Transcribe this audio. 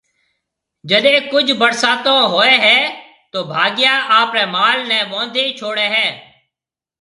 جڏَي ڪجھ ڀرساتون ھوئيَ ھيََََ تو ڀاگيا آپرَي مال نيَ ٻونڌَي ڇوڙھيََََ ھيََََ